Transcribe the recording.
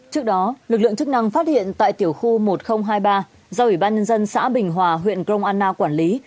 trước đó lực lượng chức năng phát hiện tại tiểu khu một nghìn hai mươi ba do ủy ban nhân dân xã bình hòa huyện grong anna quản lý